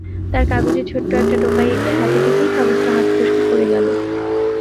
তার কাগজে ছোট্ট একটা টোকাই এঁকে হাতে দিতেই কাগজটা হাতফসকে পড়ে গেল।